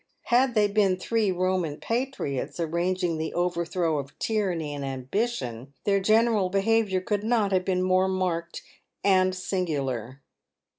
Had they been three Eoman patriots arranging the overthrow of Tyranny and Ambition, their general behaviour could not have been more marked and sin gular.